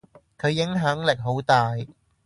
佢影響力好大。